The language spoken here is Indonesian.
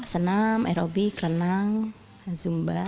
senam aerobik renang zumba